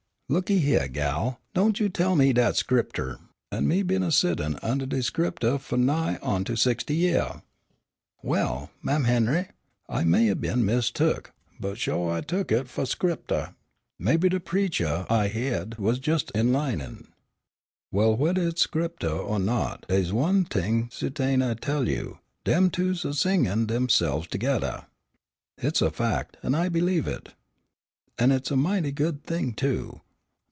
"Look hyeah, gal, don't you tell me dat's Scripter, an' me been a settin' undah de Scripter fu' nigh onto sixty yeah." "Well, Mam' Henry, I may 'a' been mistook, but sho' I took hit fu' Scripter. Mebbe de preachah I hyeahd was jes' inlinin'." "Well, wheddah hit's Scripter er not, dey's one t'ing su'tain, I tell you, dem two is singin' deyse'ves togeddah." "Hit's a fac', an' I believe it." "An' it's a mighty good thing, too.